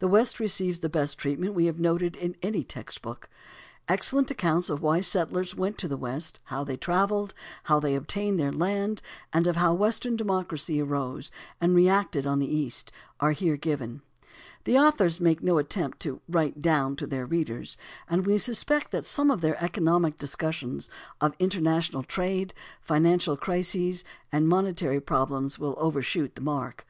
The West receives the best treatment we have noted in any text book. Excellent accounts of why the settlers went to the West, how they travelled, how they obtained their land, and of how Western democracy arose and reacted on the East, are here given. (See "Westward Migration and Internal Improvements," pp. 273 281). The authors make no attempt to "write down" to their readers, and we suspect that some of their economic discussions of international trade, financial crises, and monetary problems will overshoot the mark.